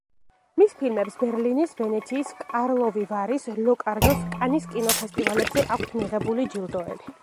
მის ფილმებს ბერლინის, ვენეციის, კარლოვი ვარის, ლოკარნოს, კანის კინოფესტივალებზე აქვთ მიღებული ჯილდოები.